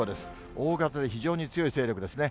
大型で非常に強い勢力ですね。